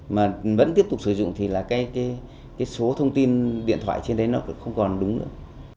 mà vẫn tiếp tục sử dụng thì là cái số thông tin điện thoại trên đấy nó không còn đúng nữa